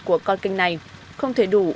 của con kênh này không thể đủ